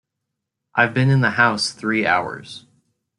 I've been in the house three hours.